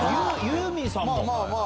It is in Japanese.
ユーミンさんも！